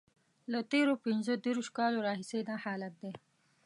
له تېرو پنځه دیرشو کالو راهیسې دا حالت دی.